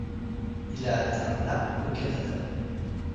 Il a atteint la au Canada.